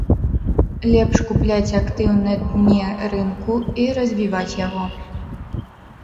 Лепш купляць актыў на дне рынку і развіваць яго.